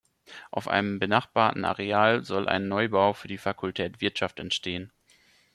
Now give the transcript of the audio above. Auf einem benachbarten Areal soll ein Neubau für die Fakultät Wirtschaft entstehen.